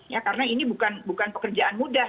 ya karena ini bukan pekerjaan mudah